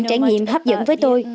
trải nghiệm hấp dẫn với tôi